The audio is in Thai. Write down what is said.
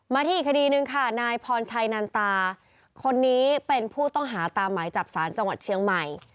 ที่อีกคดีหนึ่งค่ะนายพรชัยนันตาคนนี้เป็นผู้ต้องหาตามหมายจับสารจังหวัดเชียงใหม่